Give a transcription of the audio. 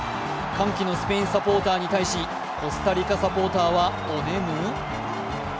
歓喜のスペインサポーターに対しコスタリカサポーターはおねむ？